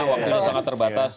waktunya sangat terbatas